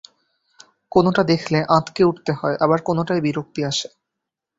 কোনোটা দেখলে আঁতকে উঠতে হয় আবার কোনোটায় বিরক্তি আসে।